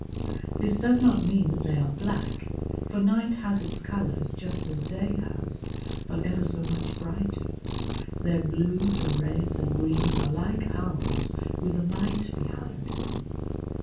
This does not mean that they are black, for night has its colours just as day has, but ever so much brighter. Their blues and reds and greens are like ours with a light behind them.